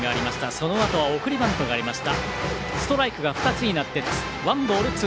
そのあと送りバントがありました。